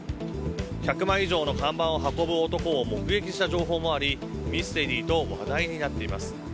１００枚以上の看板を運ぶ男を目撃した情報もありミステリーと話題になっています。